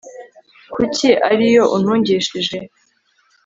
kuko ari yo untungishije